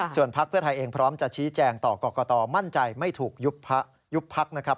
ส่วนพักเพื่อไทยเองพร้อมจะชี้แจงต่อกรกตมั่นใจไม่ถูกยุบพักนะครับ